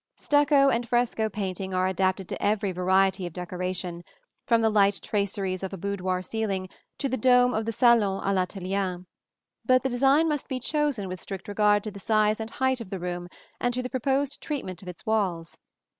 Stucco and fresco painting are adapted to every variety of decoration, from the light traceries of a boudoir ceiling to the dome of the salon à l'Italienne; but the design must be chosen with strict regard to the size and height of the room and to the proposed treatment of its walls.